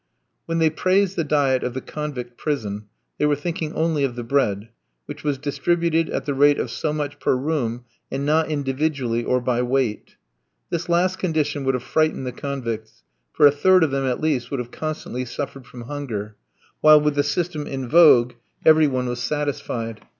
When they praised the diet of the convict prison, they were thinking only of the bread, which was distributed at the rate of so much per room, and not individually or by weight. This last condition would have frightened the convicts, for a third of them at least would have constantly suffered from hunger; while, with the system in vogue, every one was satisfied.